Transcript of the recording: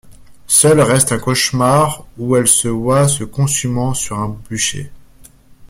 Seul reste un cauchemar où elle se voit se consumant sur un bûcher.